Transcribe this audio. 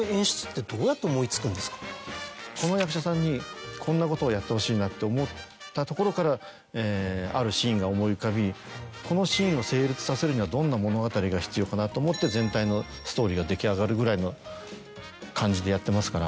「この役者さんにこんなことをやってほしいな」って思ったところからあるシーンが思い浮かびこのシーンを成立させるにはどんな物語が必要かなと思って全体のストーリーが出来上がるぐらいの感じでやってますから。